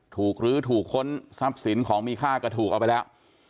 รื้อถูกค้นทรัพย์สินของมีค่าก็ถูกเอาไปแล้ว